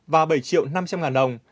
và bảy triệu năm trăm linh ngàn đồng